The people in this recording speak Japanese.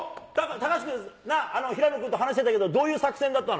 高橋君、平野君と話してたけど、どういう作戦だったの？